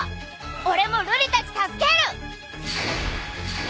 俺も瑠璃たち助ける！